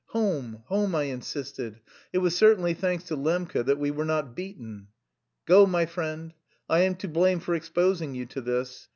"Home, home," I insisted; "it was certainly thanks to Lembke that we were not beaten." "Go, my friend; I am to blame for exposing you to this.